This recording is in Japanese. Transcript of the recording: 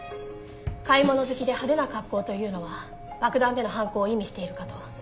買い物好きで派手な格好というのは爆弾での犯行を意味しているかと。